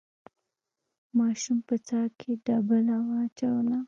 ماشوم په څاه کې ډبله واچوله.